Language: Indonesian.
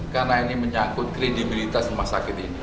karena ini menyangkut kredibilitas rumah sakit ini